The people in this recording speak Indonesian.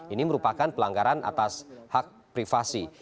ini merupakan pelanggaran atas hak privasi